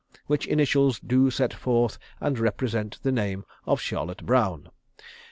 which initials do set forth and represent the name of Charlotte Brown.